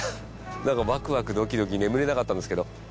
ワクワクドキドキ眠れなかったんですけど。